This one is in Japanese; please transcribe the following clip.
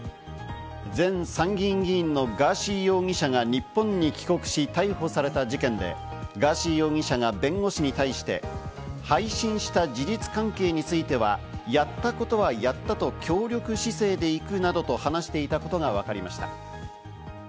前参議院議員のガーシー容疑者が日本に帰国し逮捕された事件で、ガーシー容疑者が弁護士に対して配信した事実関係については、やったことはやったと協力姿勢でいくなどと話していたことがわかりました。